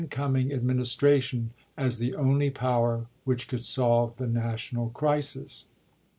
coming Administration as the only power which could solve the national crisis.